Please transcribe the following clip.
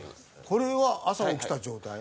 これは朝起きた状態？